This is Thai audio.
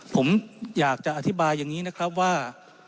ผมอยากจะอธิบายอย่างนี้นะครับว่า